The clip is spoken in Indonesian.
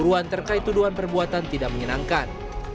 keruan terkait tuduhan perbuatan tidak menyenangkan